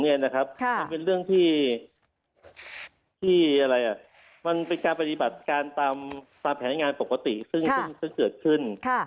มันเป็นเรื่องที่มันเป็นการปฏิบัติการตามแผนงานปกติซึ่งเกิดขึ้น